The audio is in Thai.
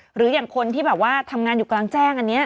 หรืออย่างคนที่แบบว่าทำงานอยู่กลางแจ้งอันนี้